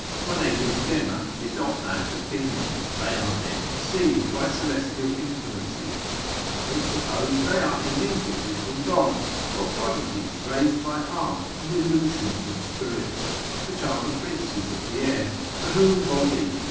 Cornelius Gemma is of that opinion, they are there conceived by celestial influences: others suppose they are immediately from God, or prodigies raised by art and illusions of spirits, which are princes of the air; to whom Bodin.